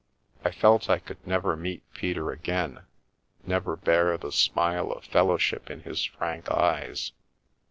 I felt I could never meet Peter again, never bear the smile of fellow ship in his frank eyes.